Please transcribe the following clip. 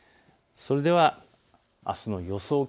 それではあすの予想